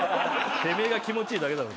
てめえが気持ちいいだけだろ。